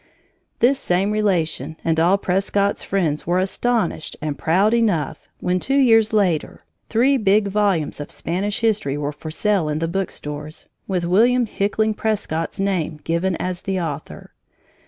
This same relation and all Prescott's friends were astonished and proud enough when, two years later, three big volumes of Spanish history were for sale in the book stores, with William Hickling Prescott's name given as the author.